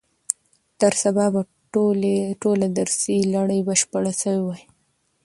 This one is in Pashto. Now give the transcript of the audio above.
تر سبا به ټوله درسي لړۍ بشپړه سوې وي.